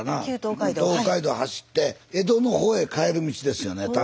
東海道走って江戸の方へ帰る道ですよね